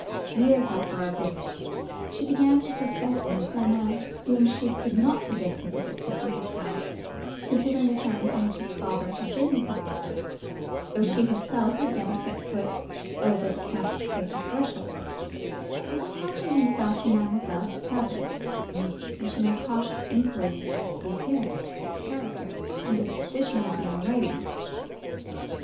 Years after our visit, she began to suspect that Clement (whom she could not forbid to visit at his uncle's house, considering the terms on which his father had been with his brother; though she herself never set foot over the Count de Crequy's threshold) was attaching himself to mademoiselle, his cousin; and she made cautious inquiries as to the appearance, character, and disposition of the young lady.